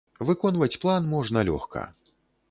Выконваць план можна лёгка.